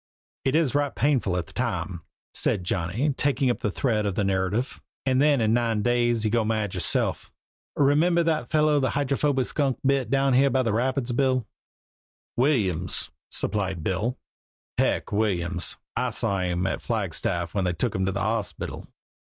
"It is right painful at the time," said Johnny, taking up the thread of the narrative; "and then in nine days you go mad yourself. Remember that fellow the Hydrophoby Skunk bit down here by the rapids, Bill? Let's see now what was that hombre's name?" "Williams," supplied Bill "Heck Williams. I saw him at Flagstaff when they took him there to the hospital.